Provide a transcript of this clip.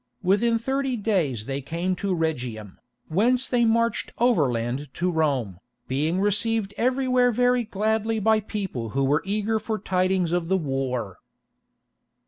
Within thirty days they came to Rhegium, whence they marched overland to Rome, being received everywhere very gladly by people who were eager for tidings of the war.